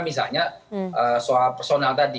misalnya soal personal tadi